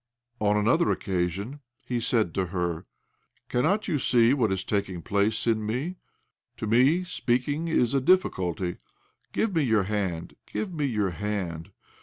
On another occasion he said to her— " Cannot you see what is taking place in me? To me, speaking is a difficulty. Give me your hand, give me your hand